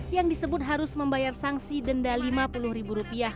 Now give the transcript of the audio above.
yang disebut harus membayar sangsi denda lima puluh rupiah